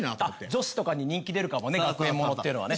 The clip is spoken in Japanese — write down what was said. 女子とかに人気出るかもね学園ものっていうのはね。